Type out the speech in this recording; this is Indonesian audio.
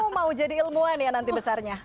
oh mau jadi ilmuwan ya nanti besarnya